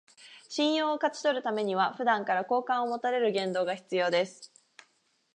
信用を勝ち取るためには、普段から好感を持たれる言動が必要です